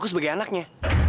aku sebagai anaknya